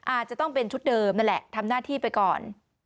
อาจจะต้องเป็นชุดเดิมนั่นแหละทำหน้าที่ไปก่อน